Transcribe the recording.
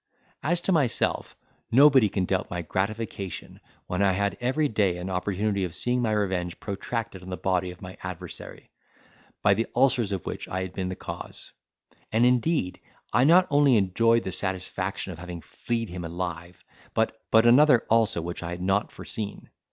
As to myself, nobody can doubt my gratification, when I had every day an opportunity of seeing my revenge protracted on the body of my adversary, by the ulcers of which I had been the cause; and, indeed, I not only enjoyed the satisfaction of having flea'd him alive, but another also which I had not foreseen.